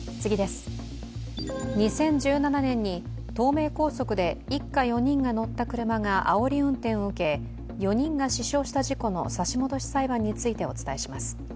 ２０１７年に東名高速で一家４人が乗った車があおり運転を受け、４人が死傷した事故の差し戻し裁判についてお伝えします。